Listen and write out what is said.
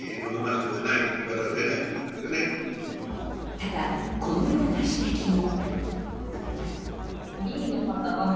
ただ、このような指摘も。